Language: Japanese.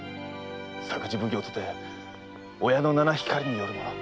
作事奉行とて親の七光によるもの。